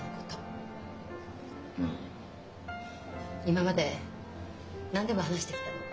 今まで何でも話してきたの。